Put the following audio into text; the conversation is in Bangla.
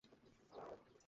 আমাদের সবাই খারাপ হয় না।